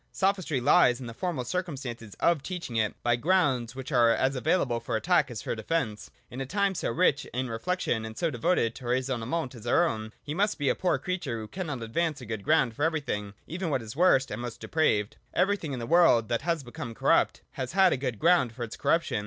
Sophistry lies in the formal circumstance of teaching it by grounds which are as available for attack as for defence. In a time so rich in reflection and so devoted to raisonne ment as our own, he must be a poor creature who cannot advance a good ground for everything, even for what is worst and most depraved. Everything in the world that has become corrupt has had good ground for its corruption.